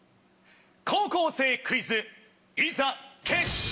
『高校生クイズ』いざ。